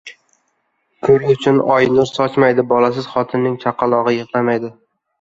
• Ko‘r uchun oy nur sochmaydi, bolasiz xotinning chaqalog‘i yig‘lamaydi.